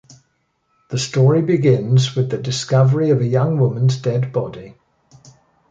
The story begins with the discovery of a young woman's dead body.